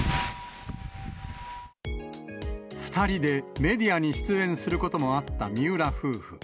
２人でメディアに出演することもあった三浦夫婦。